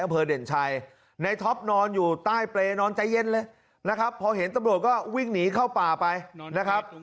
เพราะในท็อปเคยขู่เอาไว้ครับ